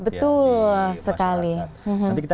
betul sekali nanti kita